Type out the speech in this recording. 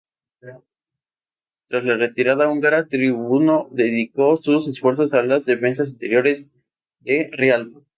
Tras la retirada húngara, Tribuno dedicó sus esfuerzos a las defensas interiores de Rialto.